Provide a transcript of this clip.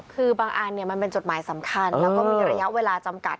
คือบางอันมันเป็นจดหมายสำคัญแล้วก็มีระยะเวลาจำกัด